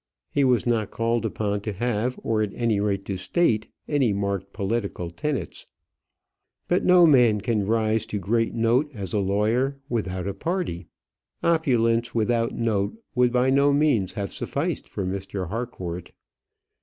He was not called upon to have, or at any rate to state, any marked political tenets. But no man can rise to great note as a lawyer without a party. Opulence without note would by no means have sufficed with Mr. Harcourt.